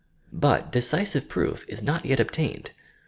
But, decisive proof is not yet obtained!